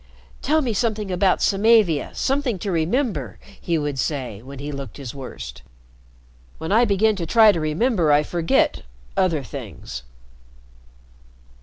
"Tell me something about Samavia, something to remember," he would say, when he looked his worst. "When I begin to try to remember, I forget other things."